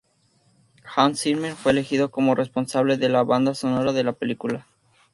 Hans Zimmer fue elegido como responsable de la banda sonora de la película.